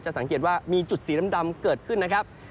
สังเกตว่ามีจุดสีดำเกิดขึ้นนะครับ